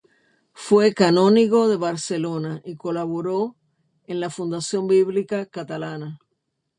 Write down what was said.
Fue canónigo de Barcelona y colaboró en la Fundación Bíblica Catalana.